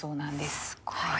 すごい。